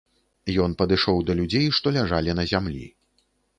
Ён падышоў да людзей, што ляжалі на зямлі.